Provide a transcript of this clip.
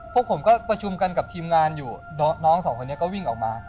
พวกผมก็ประชุมกันกับทีมงานอยู่น้องสองคนนี้ก็วิ่งออกมา